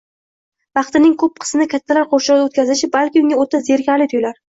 vaqtining ko‘p qismini kattalar qurshovida o‘tkazishi balki unga o‘ta zerikarli tuyular.